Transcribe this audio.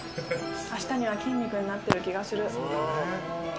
明日には筋肉になってる気がする。